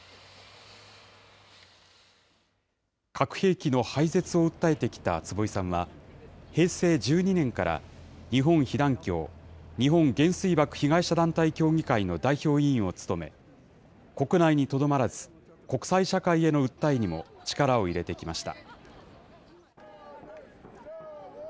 核兵器の廃絶を訴えてきた坪井さんは、平成１２年から日本被団協・日本原水爆被害者団体協議会の代表委員を務め、国内にとどまらず、国際社会への訴えにも力を入れてきました。